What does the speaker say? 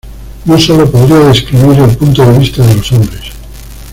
No sólo podría describir el punto de vista de los hombres"".